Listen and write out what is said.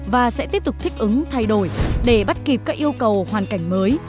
và sẽ tiếp tục thích ứng thay đổi để bắt kịp các yêu cầu hoàn cảnh mới